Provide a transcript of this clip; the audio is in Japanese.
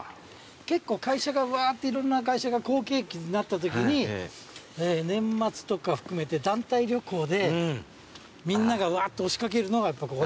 結構いろんな会社が好景気になったときに年末とか含めて団体旅行でみんながうわっと押し掛けるのがやっぱここ。